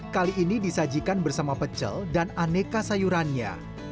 kali ini disajikan bersama pecel dan aneka sayurannya